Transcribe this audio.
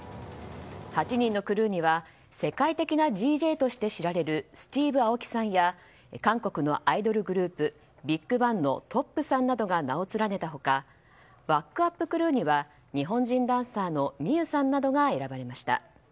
８人のクルーには世界的なＤＪとして知られるＳｔｅｖｅＡｏｋｉさんや韓国のアイドルグループＢＩＧＢＡＮＧのＴ．Ｏ．Ｐさんなどが名を連ねた他バックアップクルーには日本人ダンサーのＭｉｙｕさんなどが選ばれました。